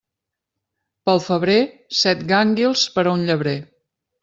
Pel febrer, set gànguils per a un llebrer.